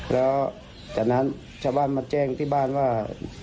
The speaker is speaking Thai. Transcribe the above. แล้วจากนั้นชาวบ้านมาแจ้งที่บ้านว่า